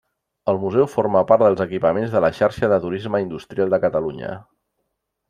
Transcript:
El museu forma part dels equipaments de la Xarxa de Turisme Industrial de Catalunya.